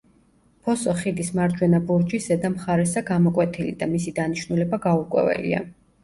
ფოსო ხიდის მარჯვენა ბურჯის ზედა მხარესა გამოკვეთილი და მისი დანიშნულება გაურკვეველია.